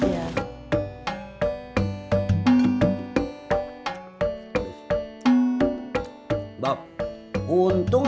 jadi mau mbak unasin dong